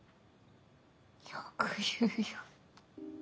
よく言うよ。